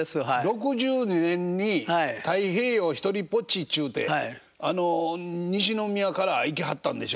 ６２年に「太平洋ひとりぼっち」っちゅうて西宮から行きはったんでしょ？